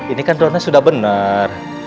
ini kan dronnya sudah bener